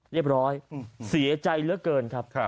เรียบร้อยเสียใจเหลือเกินครับ